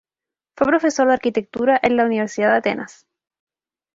Fue profesor de arquitectura en la universidad de Atenas.